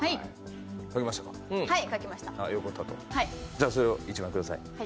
じゃ、それを１枚ください。